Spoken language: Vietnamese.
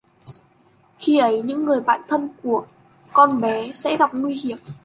khi ấy những người thân của con bé sẽ gặp nguy hiểm